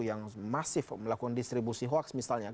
yang masif melakukan distribusi hoax misalnya